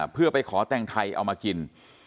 เพื่อไปขอแต่งไทยเอามากิน